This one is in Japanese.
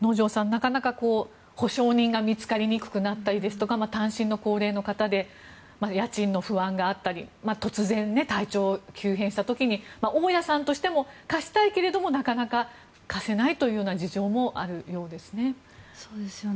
なかなか保証人が見つかりにくなったりですとか単身の高齢の方で家賃の不安があったり突然、体調が急変した時に大家さんとしても貸したいけれどもなかなか貸せないという事情もあるようですね。